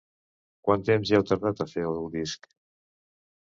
Quant temps hi heu tardat, a fer el disc?